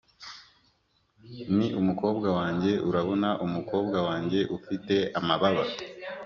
ni umukobwa wanjye urabona, umukobwa wanjye ufite amababa!